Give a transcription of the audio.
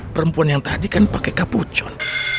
perempuan yang tadi kan pakai kapucon